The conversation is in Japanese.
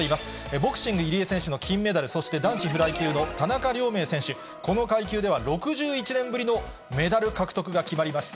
ボクシング、入江選手の金メダル、そして男子フライ級の田中亮明選手、この階級では６１年ぶりのメダル獲得が決まりました。